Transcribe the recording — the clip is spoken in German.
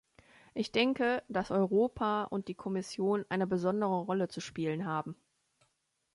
Ich denke, dass Europa und die Kommission eine besondere Rolle zu spielen haben.